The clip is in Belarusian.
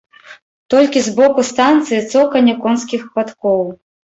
Толькі з боку станцыі цоканне конскіх падкоў.